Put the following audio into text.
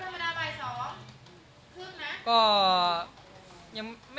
แล้วดาบรรดาใบสองครึ่งนะ